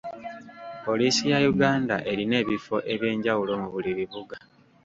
Poliisi ya Uganda erina ebifo eby'enjawulo mu buli bibuga.